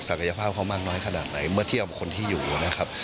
กายภาพเขามากน้อยขนาดไหนเมื่อเทียบคนที่อยู่นะครับ